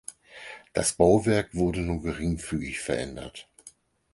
Das Bauwerk wurde nur geringfügig verändert.